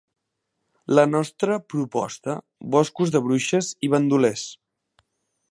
La nostra proposta: boscos de bruixes i bandolers.